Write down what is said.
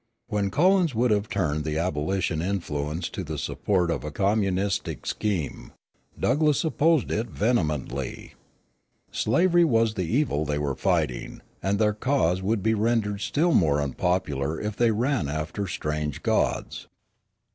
When Collins would have turned the abolition influence to the support of a communistic scheme, Douglass opposed it vehemently. Slavery was the evil they were fighting, and their cause would be rendered still more unpopular if they ran after strange gods.